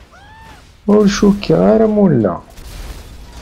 Ur cukkeɣ ara mulleɣ.